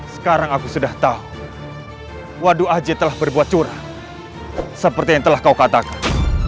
sekarang aku sudah tahu waduh aji telah berbuat curah seperti yang telah kau katakan